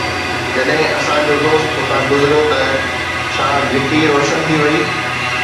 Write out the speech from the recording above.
جڏهن اسان جو دوست اتان گذريو ته ڇا گهٽي روشن ٿي وئي؟